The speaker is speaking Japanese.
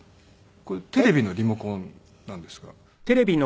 これテレビのリモコンなんですが。